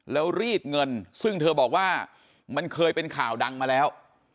แล้วรีดเงินซึ่งเธอบอกว่ามันเคยเป็นข่าวดังมาแล้ว